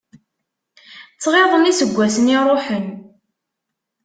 Ttɣiḍen iseggasen iruḥen.